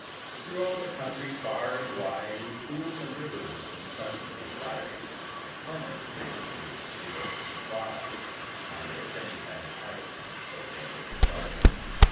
Through all the country far and wide, In pools and rivers incessantly diving, A Cormorant greedy his table supplied, On their finny inhabitants so daintily thriving.